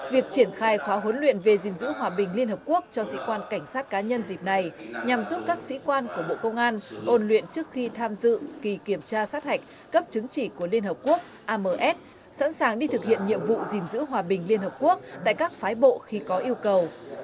việc triển khai khóa huấn luyện về gìn giữ hòa bình liên hợp quốc cho sĩ quan cảnh sát cá nhân dịp này nhằm giúp các sĩ quan của bộ công an ôn luyện trước khi tham dự kỳ kiểm tra sát hạch cấp chứng chỉ của liên hợp quốc ams sẵn sàng đi thực hiện nhiệm vụ gìn giữ hòa bình liên hợp quốc tại các phái bộ khi có yêu cầu